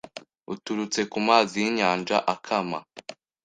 uturutse ku mazi y’inyanja akama